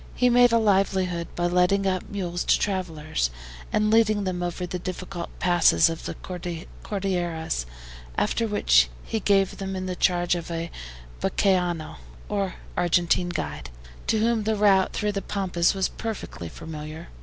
He made a livelihood by letting out mules to travelers, and leading them over the difficult passes of the Cordilleras, after which he gave them in charge of a BAQUEANO, or Argentine guide, to whom the route through the Pampas was perfectly familiar.